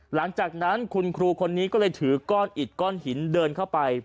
หลังจากนั้นคุณครูคนนี้ก็เลยถือก้อนอิดก้อนหินเดินเข้าไป